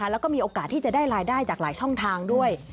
แล้วก็มีโอกาสที่จะได้รายได้จากหลายช่องทางด้วย